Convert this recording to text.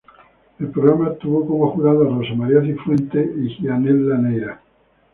El programa tuvo como jurado a Rosa María Cifuentes y Gianella Neyra.